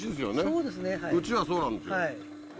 うちはそうなんですよ。